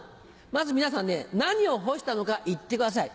まず皆さんね何を干したのか言ってください。